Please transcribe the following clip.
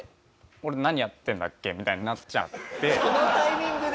俺何やってんだっけ」みたいになっちゃって。